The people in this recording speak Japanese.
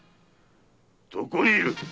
どこに居る！